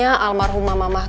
kamu mau jalan di sini